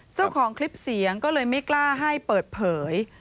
เจ้าของคลิปเสียงก็เลยไม่กล้าให้เปิดเผย